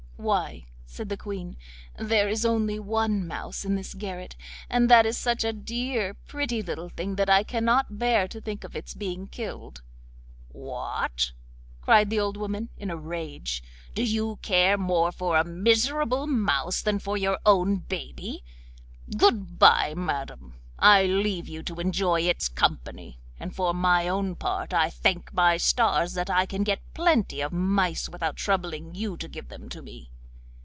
'Why,' said the Queen, 'there is only one mouse in this garret, and that is such a dear, pretty little thing that I cannot bear to think of its being killed.' 'What!' cried the old woman, in a rage. 'Do you care more for a miserable mouse than for your own baby? Good bye, madam! I leave you to enjoy its company, and for my own part I thank my stars that I can get plenty of mice without troubling you to give them to me.